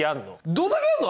どんだけやるの？